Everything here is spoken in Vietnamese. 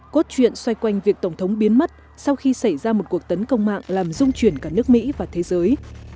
cốt truyện xoay quanh việc tổng thống biến mất sau khi xảy ra một cuộc tấn công mạng làm dung chuyển cả nước mỹ và thế giới